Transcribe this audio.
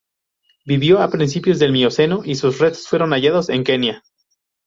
Vivió a principios del Mioceno y sus restos fueron hallados en Kenia.